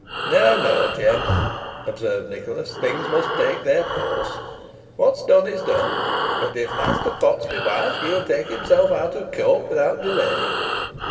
"No, no, Jem," observed Nicholas, "things must take their course. What's done is done. But if Master Potts be wise, he'll take himself out of court without delay."